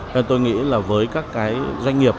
nên tôi nghĩ là với các cái doanh nghiệp